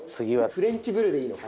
フレンチ・ブルでいいのかな。